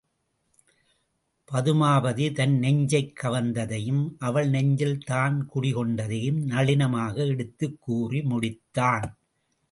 பதுமாபதி தன் நெஞ்சைக் கவர்ந்ததையும், அவள் நெஞ்சில் தான் குடி கொண்டதையும் நளினமாக எடுத்துக் கூறி முடித்தான்.